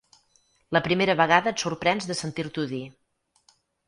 La primera vegada et sorprens de sentir-t'ho dir.